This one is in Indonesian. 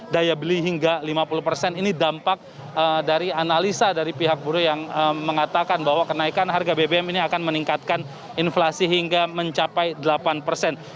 daya beli hingga lima puluh persen ini dampak dari analisa dari pihak buruh yang mengatakan bahwa kenaikan harga bbm ini akan meningkatkan inflasi hingga mencapai delapan persen